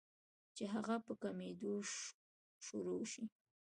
چې هغه پۀ کمېدو شورو شي